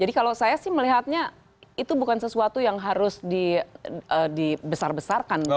jadi kalau saya sih melihatnya itu bukan sesuatu yang harus dibesar besarkan